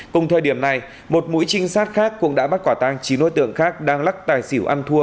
cùng thời điểm này một mũi trinh sát khác cũng đã bắt quả tang chín đối tượng khác đang lắc tài xỉu ăn thua